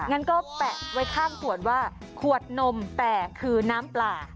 งั้นก็แปะไว้ข้างขวดว่าขวดนมแปะคือน้ำปลา